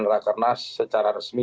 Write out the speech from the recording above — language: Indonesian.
para karnas secara resmi